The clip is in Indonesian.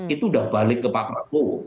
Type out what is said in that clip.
itu udah balik ke pak prabowo